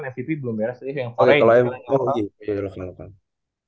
mvp kan belum beres